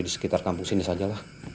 di sekitar kampus ini sajalah